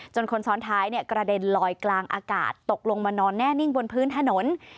คนซ้อนท้ายกระเด็นลอยกลางอากาศตกลงมานอนแน่นิ่งบนพื้นถนน